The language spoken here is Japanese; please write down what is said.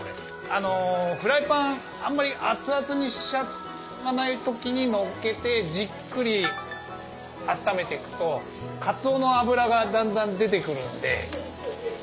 あのフライパンあんまり熱々にしちゃわない時にのっけてじっくりあっためてくとかつおの脂がだんだん出てくるんで。